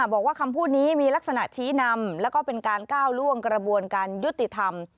บอกว่าคำพูดนี้มีลักษณะชี้นำแล้วก็เป็นการก้าวล่วงกระบวนการยุติธรรม